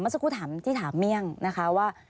เมื่อสักครู่ที่ถามเมี่ยงนะครับว่า